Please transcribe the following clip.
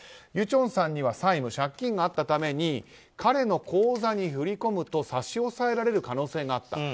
ユチョンさんには債務、借金があったため彼の口座に振り込むと差し押さえられる可能性があった。